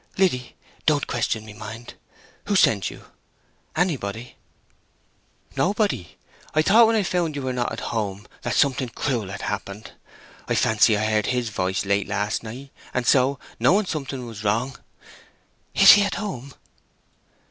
Liddy, don't question me, mind. Who sent you—anybody?" "Nobody. I thought, when I found you were not at home, that something cruel had happened. I fancy I heard his voice late last night; and so, knowing something was wrong—" "Is he at home?"